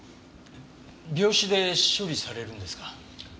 病死で処理されるんですか？